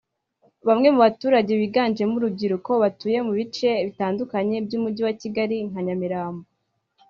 Bamwe mu baturage biganjemo urubyiruko batuye mu bice bitandukanye by’Umujyi wa Kigali nka Nyamirambo